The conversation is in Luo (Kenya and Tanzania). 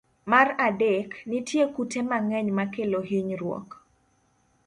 Mar adek, nitie kute mang'eny makelo hinyruok.